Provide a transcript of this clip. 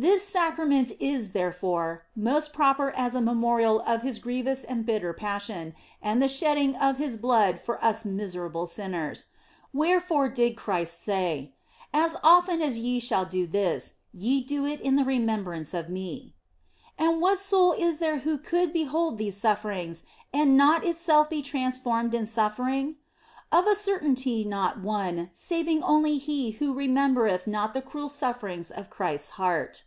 This Sacrament is, therefore, most proper as a memorial of His grievous and bitter Passion and the shedding of His blood for us miserable sinners. Where fore did Christ say, " As often as ye shall do this, ye do it in remembrance of Me." And what soul is there who could behold these sufferings and not itself be trans formed in suffering ? Of a certainty not one, saving only he who remembereth not the cruel sufferings of Christ s heart.